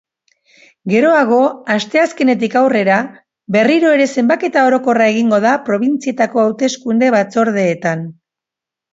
Geroago, asteazkenetik aurrera, berriro ere zenbaketa orokorra egingo da probintzietako hauteskunde-batzordeetan.